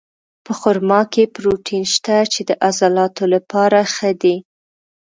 په خرما کې پروټین شته، چې د عضلاتو لپاره ښه دي.